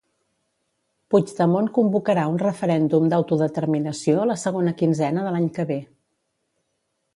Puigdemont convocarà un referèndum d'autodeterminació la segona quinzena de l'any que ve.